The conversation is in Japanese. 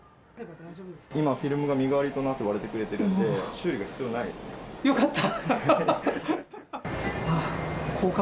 今、フィルムが身代わりとなって割れてくれてるんで、修理が必要ないよかった。